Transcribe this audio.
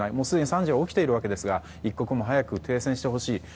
すでに惨事は起きているわけですが一刻も早く停戦してほしい。